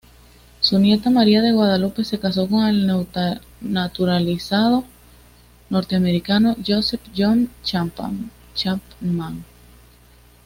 Su nieta María de Guadalupe se casó con el naturalizado norteamericano Joseph John Chapman.